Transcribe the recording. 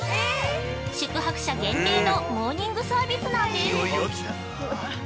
宿泊者限定のモーニングサービスなんです。